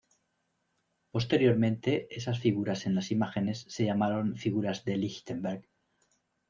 Posteriormente esas figuras en las imágenes se llamaron figuras de Lichtenberg.